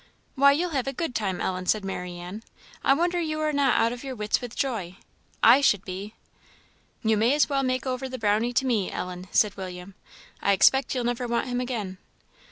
"Why, you'll have a good time, Ellen," said Marianne; "I wonder you are not out of your wits with joy. I should be." "You may as well make over the Brownie to me, Ellen," said William; "I expect you'll never want him again."